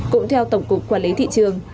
cũng theo tổng cục quản lý thị trường